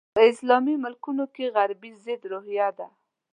په اسلامي ملکونو کې غربي ضد روحیه ده.